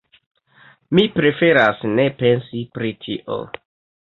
Mi preferas ne pensi pri tio.